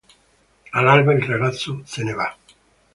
All'alba il ragazzo se ne va.